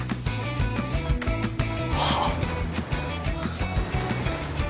はあ！？